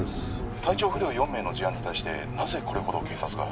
体調不良４名の事案に対してなぜこれほど警察が？